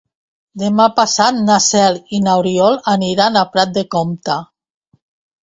Demà passat na Cel i n'Oriol aniran a Prat de Comte.